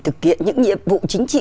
thực hiện những nhiệm vụ chính trị